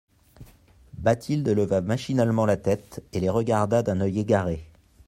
Bathilde leva machinalement la tête et les regarda d'un oeil égaré.